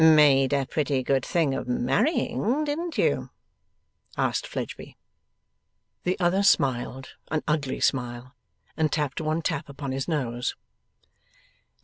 'Made a pretty good thing of marrying, didn't you?' asked Fledgeby. The other smiled (an ugly smile), and tapped one tap upon his nose.